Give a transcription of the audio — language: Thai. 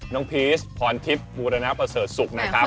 น้องพีชพรทิพย์บูรณนักประเสริฐสุขนะครับ